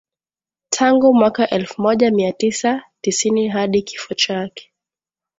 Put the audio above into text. tangu mwaka elfu moja mia tisa tisini hadi kifo chake